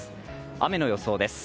雨の予想です。